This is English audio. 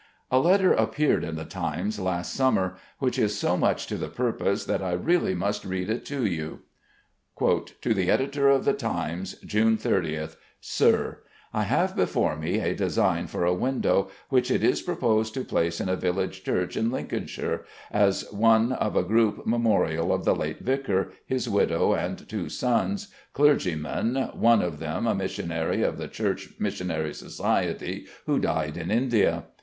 A letter appeared in the Times last summer which is so much to the purpose that I really must read it to you: "To the Editor of the 'Times.'" June 30th. "SIR, I have before me a design for a window which it is proposed to place in a village church in Lincolnshire, as one of a group memorial of the late vicar, his widow, and two sons, clergymen, one of them a missionary of the Church Missionary Society who died in India.